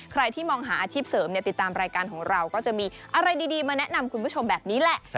ใครที่มองหาอาชีพเสริมติดตามรายการของเราก็จะมีอะไรดีมาแนะนำคุณผู้ชมแบบนี้แหละ